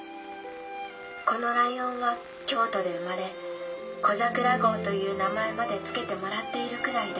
このライオンは京都で生まれ小桜号という名前まで付けてもらっているくらいで。